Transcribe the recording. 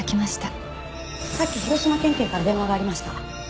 「さっき広島県警から電話がありました」